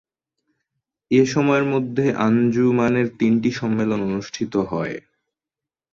এ সময়ের মধ্যে আঞ্জুমানের তিনটি সম্মেলন অনুষ্ঠিত হয়।